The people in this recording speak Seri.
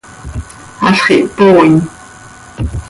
Halx ihpooin.